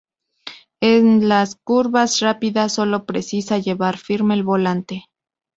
En las curvas rápidas solo precisa llevar firme el volante.